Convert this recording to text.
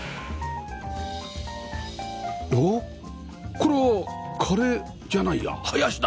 これはカレーじゃないやハヤシだ！